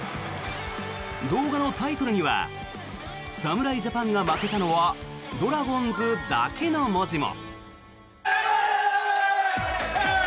動画のタイトルには「侍ジャパンが負けたのはドラゴンズだけ！」の文字も。